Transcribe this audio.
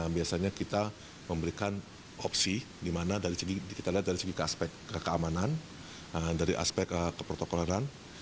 biasanya kita memberikan opsi dimana kita lihat dari segi keamanan dari aspek keprotokoleran